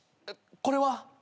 これは？